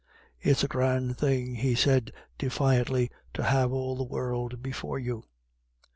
"It's a grand thing," he said defiantly, "to have all the world before you."